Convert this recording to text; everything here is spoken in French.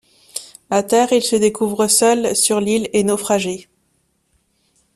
À terre, ils se découvrent seuls sur l'île et naufragés.